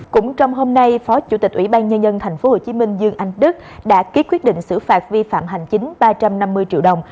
cũng trong hôm nay phó chủ tịch ủy ban nhân dân tp hcm dương anh đức đã ký quyết định xử phạt vi phạm hành chính ba trăm năm mươi triệu đồng